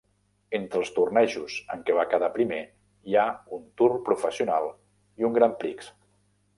Entre els tornejos en què va quedar primer hi ha un Tour Professional i un Grand Prix.